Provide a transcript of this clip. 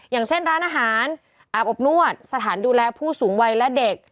อย่างเช่นร้านอาหารอาบอบนวดสถานดูแลผู้สูงวัยและเด็ก